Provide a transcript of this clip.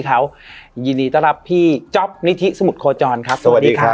ยินดีต้อนรับพี่จ๊อปนิธิสมุทรโคจรครับสวัสดีครับ